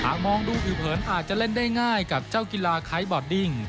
มองดูผิวเผินอาจจะเล่นได้ง่ายกับเจ้ากีฬาไครบอดดิ้ง